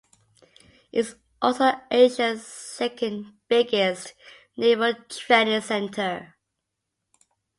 It is also Asia's second biggest Naval Training Centre.